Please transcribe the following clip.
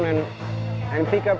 terima kasih banyak chef